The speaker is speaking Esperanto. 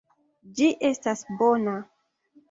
Ĝi estas bona.